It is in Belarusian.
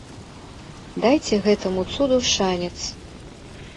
Дайце гэтаму цуду шанец!